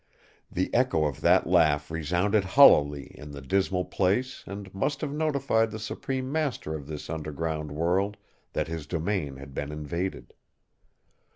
The echo of that laugh resounded hollowly in the dismal place and must have notified the supreme master of this underground world that his domain had been invaded.